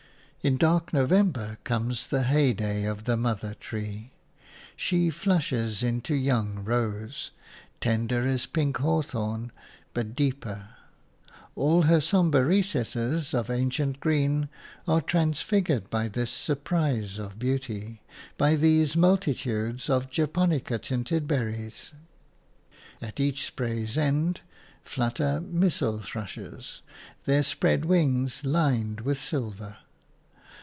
In dark November comes the heyday of the mother tree. She flushes into young rose, tender as pink hawthorn, but deeper; all her sombre recesses of ancient green are transfigured by this surprise of beauty, by these multitudes of japonica tinted berries. At each spray's end flutter missel thrushes, their spread wings lined with silver.